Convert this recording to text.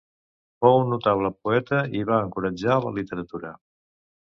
Fou un notable poeta i va encoratjar la literatura.